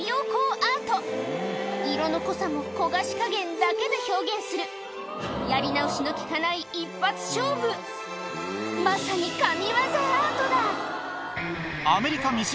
アート色の濃さも焦がし加減だけで表現するやり直しの利かない一発勝負まさに神技アートだ